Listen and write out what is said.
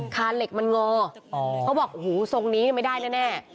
เหล็กมันงอเขาบอกหูทรงนี้ไม่ได้แน่